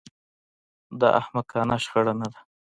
دا احمقانه شخړه نه ده